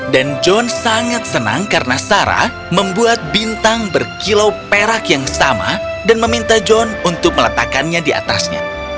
dan john sangat senang karena sarah membuat bintang berkilau perak yang sama dan meminta john untuk meletakkannya di atasnya